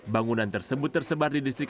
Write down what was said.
bangunan tersebut tersebar di distrik